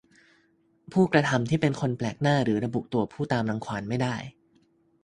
ผู้กระทำที่เป็นคนแปลกหน้าหรือระบุตัวผู้ตามรังควานไม่ได้